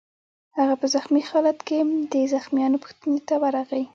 هغه په زخمي خالت کې د زخمیانو پوښتنې ته ورغی